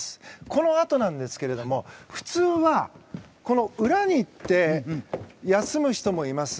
このあとなんですけども普通は、裏に行って休む人もいます。